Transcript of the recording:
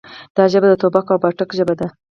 دا ژبه د ټوپک او پاټک ژبه ده.